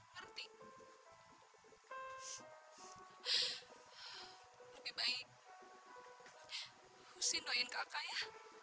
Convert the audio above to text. lebih baik usin doain kakak ya